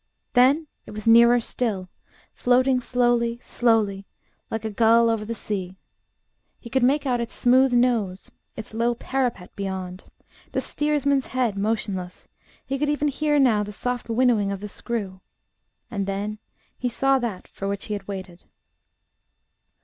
Then it was nearer still, floating slowly, slowly, like a gull over the sea; he could make out its smooth nose, its low parapet beyond, the steersman's head motionless; he could even hear now the soft winnowing of the screw and then he saw that for which he had waited.